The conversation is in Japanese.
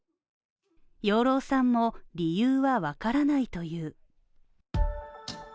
養老さんも理由はわからないという。